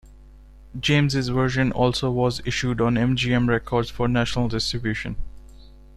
James' version also was issued on M-G-M Records for national distribution.